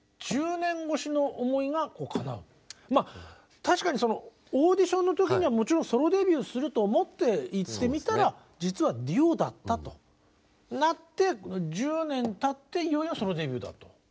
確かにオーディションの時にはもちろんソロデビューすると思って行ってみたら実はデュオだったとなって１０年たっていよいよソロデビューだと。